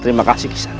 terima kasih kisara